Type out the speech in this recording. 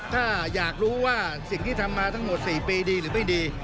ถ้าอยากรู้ว่าสิ่งที่ทำมาทั้งหมด๔ปีดีหรือไม่ดี